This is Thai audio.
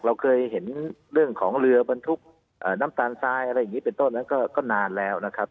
เราเคยเห็นเรื่องของเรือบรรทุกน้ำตาลทรายอะไรอย่างนี้เป็นต้นนั้นก็นานแล้วนะครับ